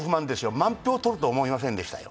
満票取ると思いませんでしたよ。